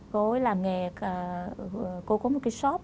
cô ấy làm nghề cô ấy có một cái shop